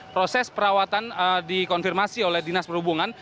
proses perawatan dikonfirmasi oleh dinas perhubungan